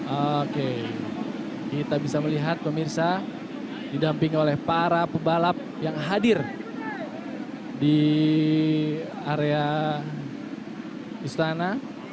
oke kita bisa melihat pemirsa didampingi oleh para pebalap yang hadir di area istana